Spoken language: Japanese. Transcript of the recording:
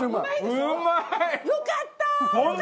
よかったー！